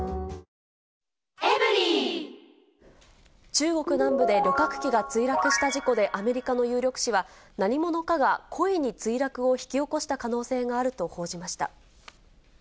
中国南部で旅客機が墜落した事故で、アメリカの有力紙は、何者かが故意に墜落を引き起こした可能性があると報じました。